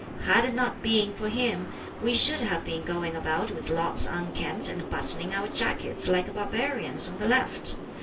Had it not been for him we should have been going about with locks unkempt and buttoning our jackets (like barbarians) on the left.